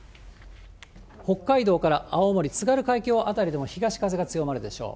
北海道から青森・津軽海峡辺りでも東風が強まるでしょう。